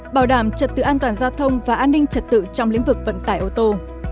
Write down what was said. bảo đảm trật tự an toàn giao thông và an ninh trật tự trong lĩnh vực vận tải ô tô